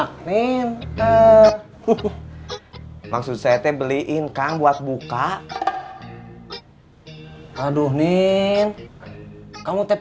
kalau baca tekang saya mah suka ngam